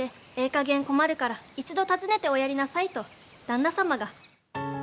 かげん困るから一度訪ねておやりなさいと旦那様が。